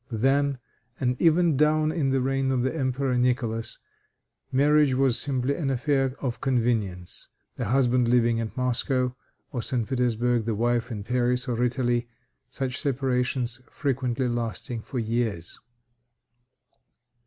Then, and even down to the reign of the Emperor Nicholas, marriage was simply an affair of convenience the husband living at Moscow or St. Petersburg, the wife in Paris or Italy; such separations frequently lasting for years.